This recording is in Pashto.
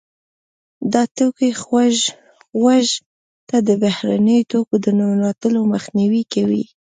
دا توکي غوږ ته د بهرنیو توکو د ننوتلو مخنیوی کوي.